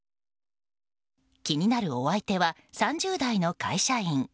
気になるお相手は３０代の会社員。